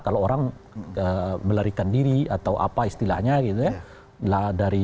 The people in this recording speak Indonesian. kalau orang melarikan diri atau apa istilahnya gitu ya